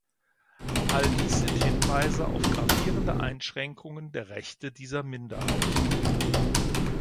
All dies sind Hinweise auf gravierende Einschränkungen der Rechte dieser Minderheit.